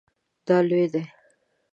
دا لوی دی